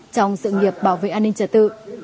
trong sự nghiệp bảo vệ an ninh trả tự